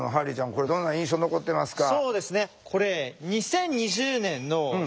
これどんな印象残ってますか？